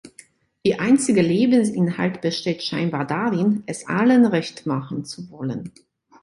Ihr einziger Lebensinhalt besteht scheinbar darin, es allen recht machen zu wollen.